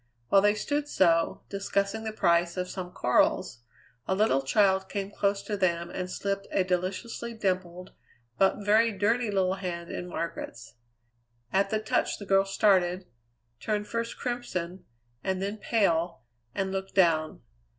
While they stood so, discussing the price of some corals, a little child came close to them and slipped a deliciously dimpled, but very dirty little hand in Margaret's. At the touch the girl started, turned first crimson and then pale, and looked down.